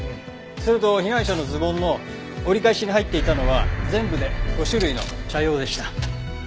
それと被害者のズボンの折り返しに入っていたのは全部で５種類の茶葉でした。